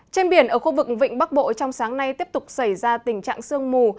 trên biển ở khu vực vịnh bắc bộ trong sáng nay tiếp tục xảy ra tình trạng sương mù